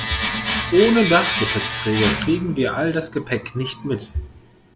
Ohne Dachgepäckträger kriegen wir all das Gepäck nicht mit.